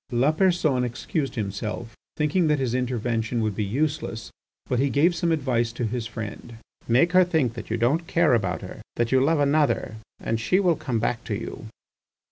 Lapersonne excused himself, thinking that his intervention would be useless, but he gave some advice to his friend. "Make her think that you don't care about her, that you love another, and she will come back to you."